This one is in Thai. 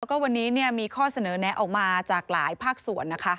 แล้วก็วันนี้มีข้อเสนอแนะออกมาจากหลายภาคส่วนนะคะ